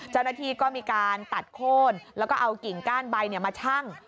เจ้าหน้าที่ก็มีการตัดโค้นแล้วก็เอากิ่งก้านใบมาชั่ง